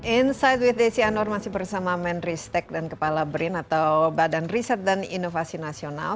insight with desi anwar masih bersama menristek dan kepala brin atau badan riset dan inovasi nasional